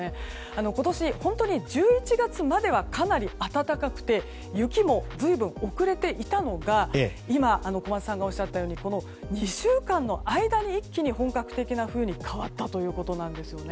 今年、本当に１１月まではかなり暖かくて雪も随分遅れていたのがこの２週間の間に、一気に本格的な冬に変わったということなんですね。